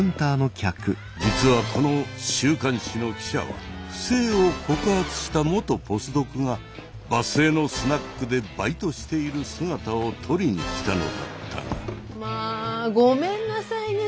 実はこの週刊誌の記者は不正を告発した元ポスドクが場末のスナックでバイトしている姿を撮りに来たのだったが。まあごめんなさいね騒がしくて。